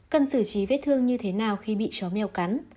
cần xử trí vết thương như thế nào khi bị chó mèo cắn